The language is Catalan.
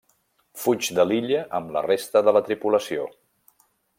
Fuig de l'illa amb la resta de la tripulació.